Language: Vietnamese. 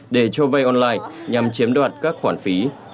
để cho vay online nhằm chiếm đoạt các khoản phí